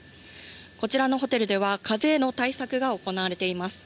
こちらのホテルでは風への対策が行われています。